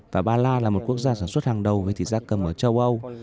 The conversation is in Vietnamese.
và ba lan là một quốc gia sản xuất hàng đầu về thịt da cầm ở châu âu